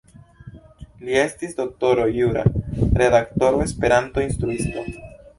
Li estis doktoro jura, redaktoro, Esperanto-instruisto.